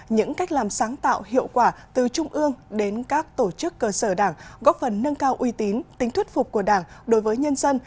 những cách làm sáng tạo hiệu quả từ trung ương đến các tổ chức cơ sở đảng góp phần nâng cao uy tín tính thuyết phục của đảng đối với nhân dân